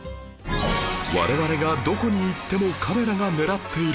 我々がどこに行ってもカメラが狙っている